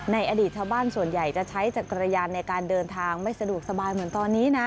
อดีตชาวบ้านส่วนใหญ่จะใช้จักรยานในการเดินทางไม่สะดวกสบายเหมือนตอนนี้นะ